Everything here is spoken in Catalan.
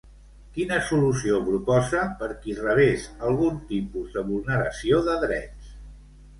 Quina solució proposa per qui rebés algun tipus de vulneració de drets?